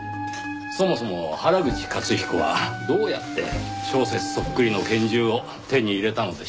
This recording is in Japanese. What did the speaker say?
そもそも原口雄彦はどうやって小説そっくりの拳銃を手に入れたのでしょうねぇ。